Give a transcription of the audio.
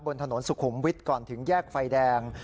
บนถนนสุขุมวิทย์ก่อนถึงแยกไฟแดง